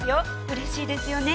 嬉しいですよね。